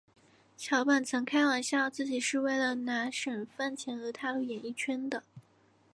桥本曾开玩笑自己是为了拿省饭钱而踏入演艺圈的。